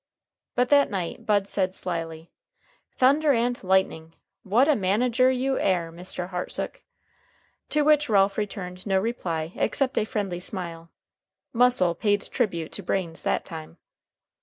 But that night Bud said slyly: "Thunder and lightning! what a manager you air, Mr. Hartsook!" To which Ralph returned no reply except a friendly smile. Muscle paid tribute to brains that time.